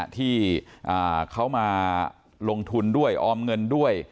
ที่เขามาลงทุนด้วยออมเงินด้วย